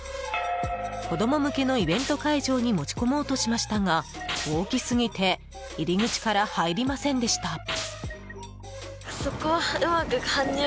子供向けのイベント会場に持ち込もうとしましたが大きすぎて入り口から入りませんでした。